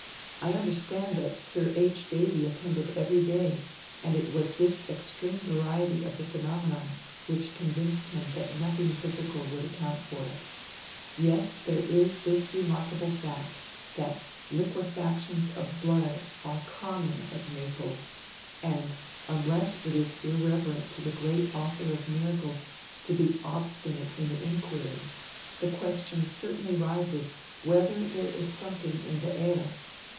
I understand that Sir H. Davy attended everyday, and it was this extreme variety of the phenomenon which convinced him that nothing physical would account for it. Yet there is this remarkable fact that liquefactions of blood are common at Naples and, unless it is irreverent to the Great Author of Miracles to be obstinate in the inquiry, the question certainly rises whether there is something in the air.